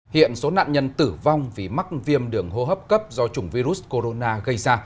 hiện số nạn nhân tử vong vì mắc viêm đường hô hấp cấp do chủng virus corona gây ra